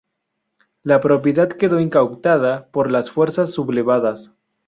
La propiedad quedó incautada por las fuerzas sublevadas.